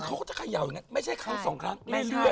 เขาก็จะเขย่าอย่างนั้นไม่ใช่ครั้งสองครั้งไม่ใช่